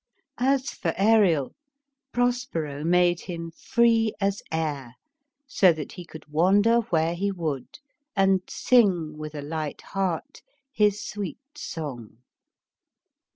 As for Ariel, Prospero made him free as air, so that he could wander where he would, and sing with a light heart his sweet song.